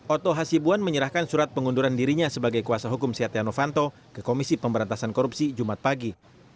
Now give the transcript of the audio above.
oto hasibuan menyerahkan surat pengunduran dirinya sebagai kuasa hukum setia novanto ke komisi pemberantasan korupsi jumat pagi